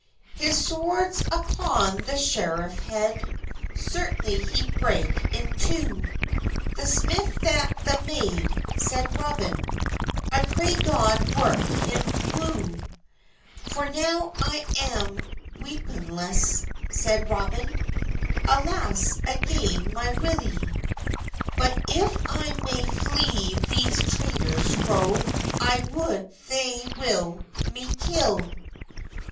Hys sworde vpon the schireff hed Sertanly he brake in too; "The smyth that the made," seid Robyn, "I pray God wyrke him woo. "For now am I weppynlesse," seid Robyne, "Alasse, agayn my wylle; But if I may fle these traytors fro, I wot thei wil me kylle."